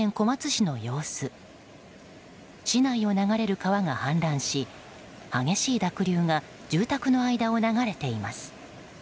市内を流れる川が氾濫し激しい濁流が住宅の間を流れています。